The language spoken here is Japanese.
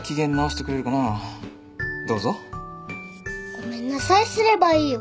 ごめんなさいすればいいよ。